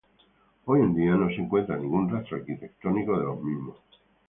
Hoy en día no se encuentra ningún rastro arquitectónico de los mismos.